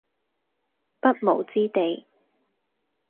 不毛之地